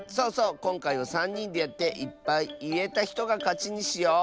こんかいはさんにんでやっていっぱいいえたひとがかちにしよう。